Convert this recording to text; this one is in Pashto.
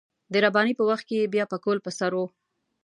د رباني په وخت کې يې بيا پکول پر سر و.